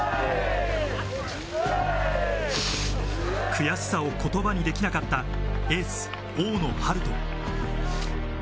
悔しさを言葉にできなかったエース・大野陽人。